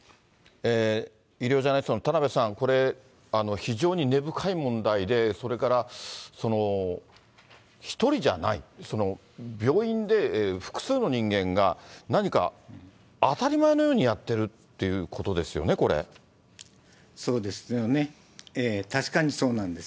医療ジャーナリストの田辺さん、これ、非常に根深い問題で、それから、１人じゃない、病院で複数の人間が、何か当たり前のようにやっているっていうことですよね、そうですよね、確かにそうなんです。